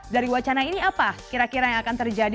dari wacana ini apa kira kira yang akan terjadi